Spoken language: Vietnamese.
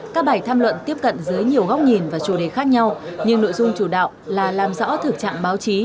các bài tham luận tiếp cận dưới nhiều góc nhìn và chủ đề khác nhau nhưng nội dung chủ đạo là làm rõ thực trạng báo chí